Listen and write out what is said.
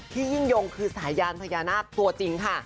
ยิ่งยงคือสายยานพญานาคตัวจริงค่ะ